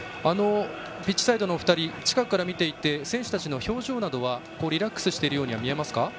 ピッチサイドのお二人近くから見て選手たちの表情リラックスしているように見えますか。